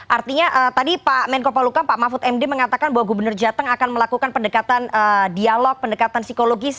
artinya tadi pak menko paluka pak mahfud md mengatakan bahwa gubernur jateng akan melakukan pendekatan dialog pendekatan psikologis